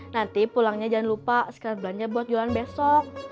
nanti pulangnya jangan lupa sekret belanja buat jualan besok